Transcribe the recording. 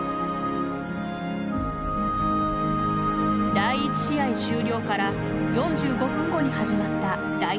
第１試合終了から４５分後に始まった第２試合。